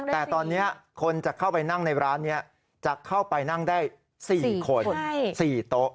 แต่ตอนนี้คนจะเข้าไปนั่งในร้านนี้จะเข้าไปนั่งได้๔คน๔โต๊ะ